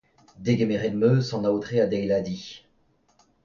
Degemeret 'm eus an aotre adeiladiñ.